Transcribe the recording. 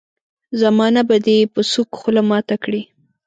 زمانه به دي په سوک خوله ماته کړي.